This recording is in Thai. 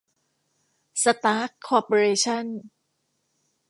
สตาร์ค คอร์เปอเรชั่น